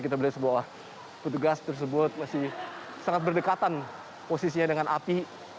kita melihat sebuah petugas tersebut masih sangat berdekatan posisinya dengan api